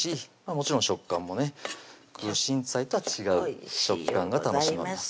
もちろん食感もね空心菜とは違う食感が楽しめます